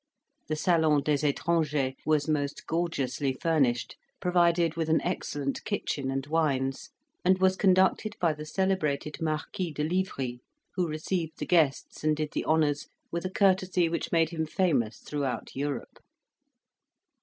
The Salon des Etrangers was most gorgeously furnished, provided with an excellent kitchen and wines, and was conducted by the celebrated Marquis de Livry, who received the guests and did the honours with a courtesy which made him famous throughout Europe.